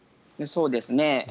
そうですね。